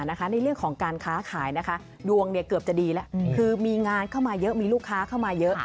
ในเรื่องของการค้าขายดวงเกือบจะดีแล้วคือมีงานเข้ามาเยอะมีลูกค้าเข้ามาเยอะ